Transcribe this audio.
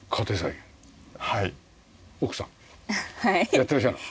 やってらっしゃる？